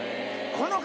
「この方」？